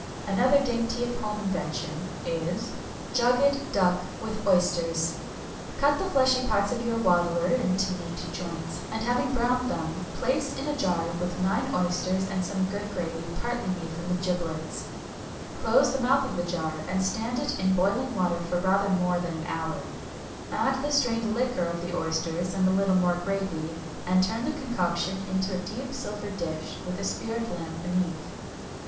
Another dainty of home invention is Jugged Duck with Oysters. Cut the fleshy parts of your waddler into neat joints, and having browned them place in a jar with nine oysters and some good gravy partly made from the giblets. Close the mouth of the jar, and stand it in boiling water for rather more than an hour. Add the strained liquor of the oysters and a little more gravy, and turn the concoction into a deep silver dish with a spirit lamp beneath.